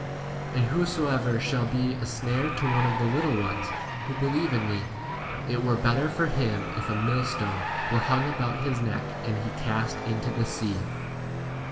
43 And whosoever shall be a snare to one of the little ones who be lieve in me, it were better for him if a millstone v were hung about his neck, and he cast into the sea.